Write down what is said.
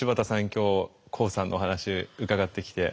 今日ＫＯＯさんのお話伺ってきて。